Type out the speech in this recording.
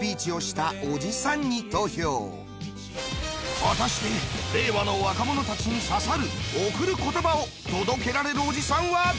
果たして令和の若者たちに刺さる贈る言葉を届けられるおじさんは誰なのか？